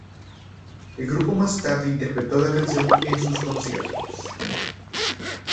El grupo más tarde interpretó la canción en sus conciertos.